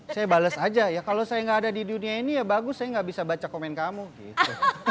saya bales aja ya kalau saya nggak ada di dunia ini ya bagus saya nggak bisa baca komen kamu gitu